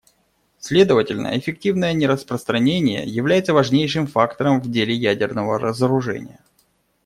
Следовательно, эффективное нераспространение является важнейшим фактором в деле ядерного разоружения.